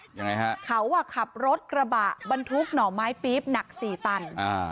ยังไงฮะเขาอ่ะขับรถกระบะบรรทุกหน่อไม้ปี๊บหนักสี่ตันอ่า